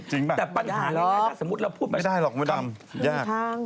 จริงเปล่าไม่ได้หรอกมี่ดำยาก